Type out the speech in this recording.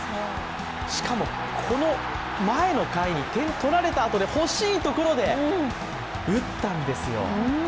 しかも、この前の回に点を取られたあとで欲しいところで打ったんですよ。